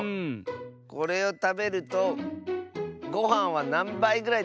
これをたべるとごはんはなんばいぐらいたべられますか？